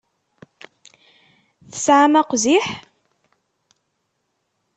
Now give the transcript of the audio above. Tesɛam aqziḥ?